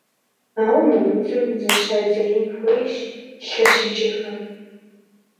Ауэ мы удзым зыщадзеин хуейщ лъэщыджэхэм.